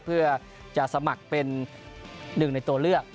เพื่อจะสมัครเป็นหนึ่งในตัวเลือก